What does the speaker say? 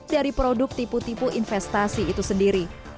dari produk tipu tipu investasi itu sendiri